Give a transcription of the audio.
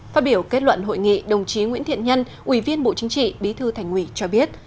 phát biểu kết luận hội nghị đồng chí nguyễn thiện nhân ủy viên bộ chính trị bí thư thành ủy cho biết